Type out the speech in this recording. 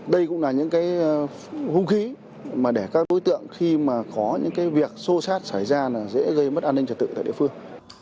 đây cũng là những cái hưu khí mà để các đối tượng khi mà có những cái việc xô xát xảy ra là dễ gây mất an ninh trật tự tại địa phương